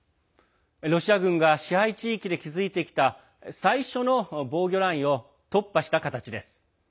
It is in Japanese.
ロシア軍が支配地域で築いてきた最初の防御ラインを突破した形です。